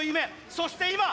そして今！